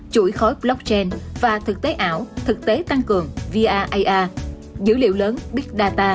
chuỗi khói blockchain và thực tế ảo thực tế tăng cường